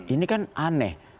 ini kan aneh